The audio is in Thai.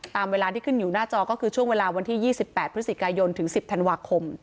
ตามเวลาที่ขึ้นอยู่หน้าจอก็คือช่วงเวลาวันที่ยี่สิบแปดพฤษฐกายนถึงสิบธันวาคม